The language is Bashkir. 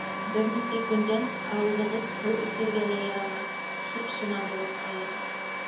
Бер нисә көндән ауыҙығыҙ һыу эсергә лә ярамаҫ, шып-шыма булып ҡалыр...